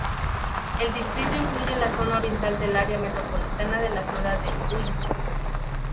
El distrito incluye la zona oriental del área metropolitana de la ciudad de Ulm.